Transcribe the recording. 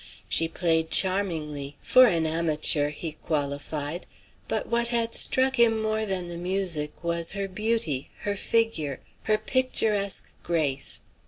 She played charmingly "for an amateur," he qualified: but what had struck him more than the music was her beauty, her figure, her picturesque grace.